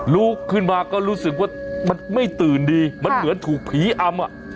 ลุกขึ้นมาก็รู้สึกว่ามันไม่ตื่นดีมันเหมือนถูกผีอำอ่ะ